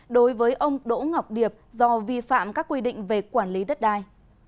đối với ông đỗ ngọc điệp do vi phạm các quy định về quản lý đất đai